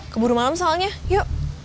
keburu malem soalnya yuk